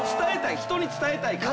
人に伝えたいから。